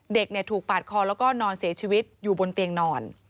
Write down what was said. เด็กถูกปาดคอแล้วก็นอนเสียชีวิตอยู่บนเตียงนอน